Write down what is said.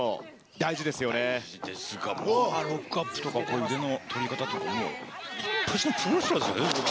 大事ですが、ロックアップとか腕の取り方って、もういっぱしのプロレスラーです